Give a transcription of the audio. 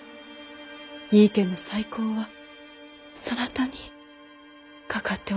井伊家の再興はそなたにかかっておるんじゃぞ。